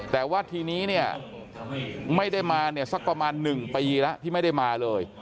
แต่ว่าทีนี้เนี่ยไม่ได้มาเนี่ยสักประมาณ๑ปีแล้วที่ไม่ได้มาเลย